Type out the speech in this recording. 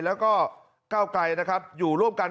แล้วก็ก้าวไกลนะครับอยู่ร่วมกัน